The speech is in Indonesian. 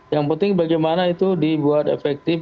yang penting bagaimana itu dibuat efektif